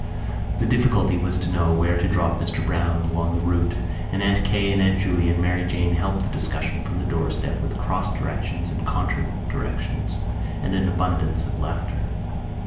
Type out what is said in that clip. The difficulty was to know where to drop Mr Browne along the route, and Aunt Kate, Aunt Julia and Mary Jane helped the discussion from the doorstep with cross directions and contradictions and abundance of laughter.